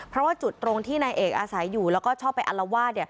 เพราะว่าจุดตรงที่นายเอกอาศัยอยู่แล้วก็ชอบไปอัลวาด